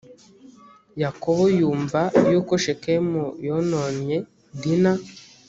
yakobo yumva yuko shekemu yononnye dina